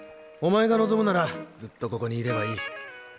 お前が望むならずっとここにいればいい。